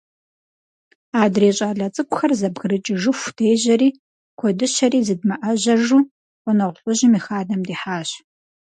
Адрей щӀалэ цӀыкӀухэр зэбгрыкӀыжыху дежьэри, куэдыщэри зыдмыӀэжьэжу, гъунэгъу лӏыжьым и хадэм дихьащ.